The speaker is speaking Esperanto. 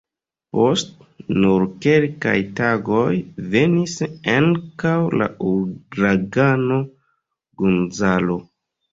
Post nur kelkaj tagoj venis ankaŭ la Uragano Gonzalo.